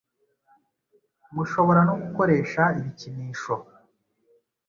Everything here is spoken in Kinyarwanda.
mushobora no gukoresha ibikinisho,